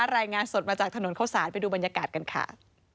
รายงานสดมาจากถนนเข้าศาลไปดูบรรยากาศกันค่ะ